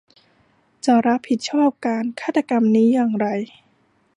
จะรับผิดชอบการฆาตกรรมนี้อย่างไร ?